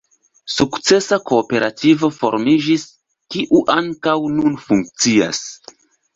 Sukcesa kooperativo formiĝis, kiu ankaŭ nun funkcias.